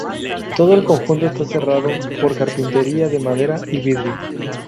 Todo el conjunto está cerrado por carpintería de madera y vidrio.